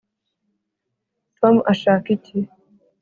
tom ashaka iki